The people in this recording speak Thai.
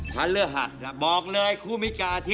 พัระเลื้อหัดค่ะ